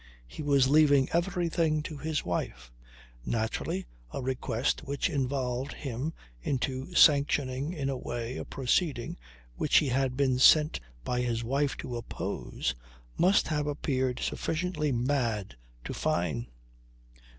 He was leaving everything to his wife. Naturally, a request which involved him into sanctioning in a way a proceeding which he had been sent by his wife to oppose, must have appeared sufficiently mad to Fyne.